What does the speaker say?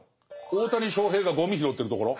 大谷翔平がゴミ拾ってるところ？